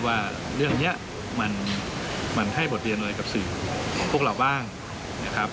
ว่าเรื่องนี้มันให้บทเรียนอะไรกับสื่อพวกเราบ้างนะครับ